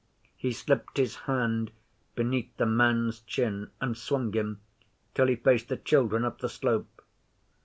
He slipped his hand beneath the man's chin and swung him till he faced the children up the slope.